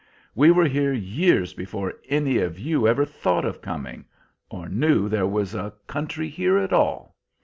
We were here years before any of you ever thought of coming, or knew there was a country here at all.